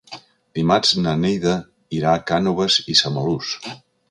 Dimarts na Neida irà a Cànoves i Samalús.